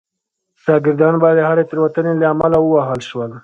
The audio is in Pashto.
شاګردان به د هرې تېروتنې له امله ووهل شول.